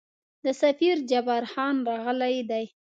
د سفیر جبارخان راغلی دی.